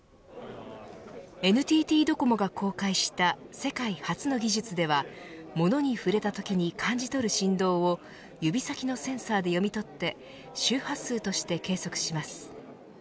ＮＴＴドコモが公開した世界初の技術では物に触れたときに感じる振動を指先のセンサーで読み取って周波数として計測します。